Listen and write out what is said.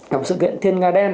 của sự kiện thiên nga đen